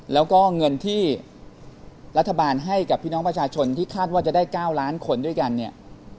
แล้วก็เงินที่รัฐบาลให้กับพี่น้องประชาชนที่คาดว่าจะได้๙ล้านคนด้วยกันเนี่ย